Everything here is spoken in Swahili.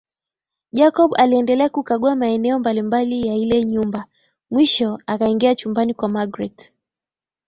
Jacob aliendelea kukagua maeneo mbali mbali ya ile nyumba mwisho akaingia chumbani kwa Magreth